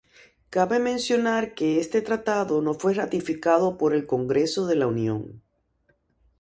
Cabe mencionar que este tratado no fue ratificado por el Congreso de la Unión.